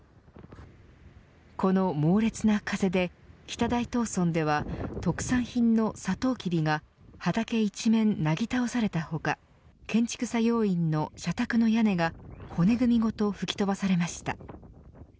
この猛烈な風で北大東村では特産品のサトウキビが畑一面なぎ倒された他建築作業員の社宅の屋根が骨組みごと吹き飛ばされました。